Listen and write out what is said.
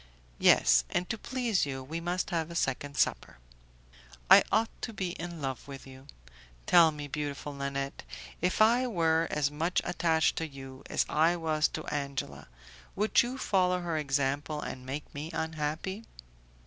"Yes, and to please you we must have a second supper." "I ought to be in love with you. Tell me, beautiful Nanette, if I were as much attached to you as I was to Angela, would you follow her example and make me unhappy?"